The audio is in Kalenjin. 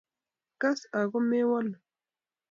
Kas ako mewalu